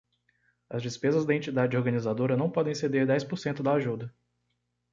As despesas da entidade organizadora não podem exceder dez por cento da ajuda.